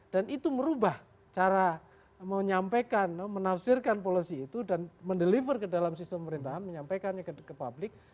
dan itu merubah cara menyampaikan menafsirkan policy itu dan mendeliver ke dalam sistem pemerintahan menyampaikannya ke publik